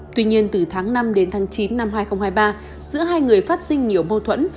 tuy nhiên từ tháng năm đến tháng chín năm hai nghìn hai mươi ba giữa hai người phát sinh nhiều mâu thuẫn